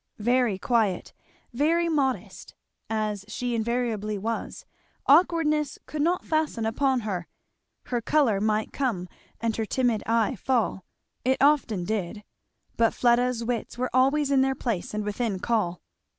Very quiet, very modest, as she invariably was, awkwardness could not fasten upon her; her colour might come and her timid eye fall; it often did; but Fleda's wits were always in their place and within call.